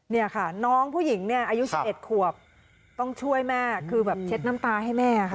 นี่ค่ะน้องผู้หญิงเนี่ยอายุ๑๑ขวบต้องช่วยแม่คือแบบเช็ดน้ำตาให้แม่ค่ะ